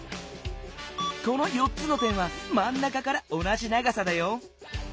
この４つの点はまんなかから同じ長さだよ。